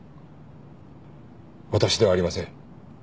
私ではありません。